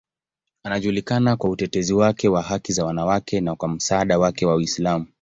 Anajulikana kwa utetezi wake wa haki za wanawake na kwa msaada wake wa Uislamu.